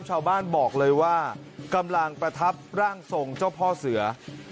ชาวบ้านบอกเลยว่ากำลังประทับร่างทรงเจ้าพ่อเสือ